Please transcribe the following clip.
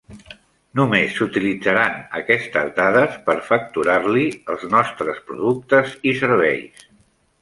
Només s'utilitzaran aquestes dades per facturar-li els nostres productes i serveis.